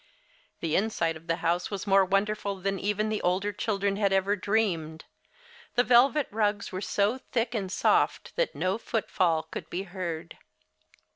The inside of the house was more wonderful than even the older children had ever dreamed. The velvet rugs were so thick and soft that no footfall could be heard.